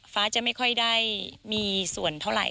ฟ้าจะไม่ค่อยได้มีส่วนเท่าไหร่